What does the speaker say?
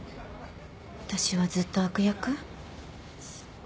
私はずっと悪役？